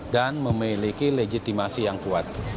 dan memiliki legitimasi yang kuat